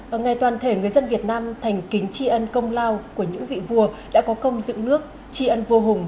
ở ngày toàn thể người dân việt nam thành kính tri ân công lao của những vị vua đã có công dựng nước tri ân vô hùng